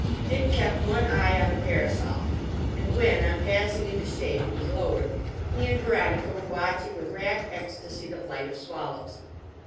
Dick kept one eye on the parasol; and when, on passing into shade, it was lowered, he and Veronica were watching with rapt ecstasy the flight of swallows.